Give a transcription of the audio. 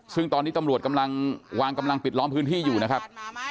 ซึ่งตอนนี้ตำรวจกำลังวางกำลังปิดล้อมพื้นที่อยู่นะครับ